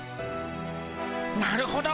なるほど。